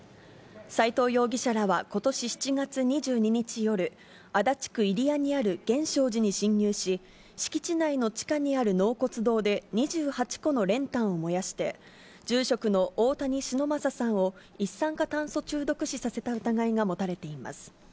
斎藤容疑者らはことし７月２２日夜、足立区入谷にある源証寺に侵入し、敷地内の地下にある納骨堂で２８個の練炭を燃やして、住職の大谷忍昌さんを一酸化炭素中毒死させた疑いが持たれています。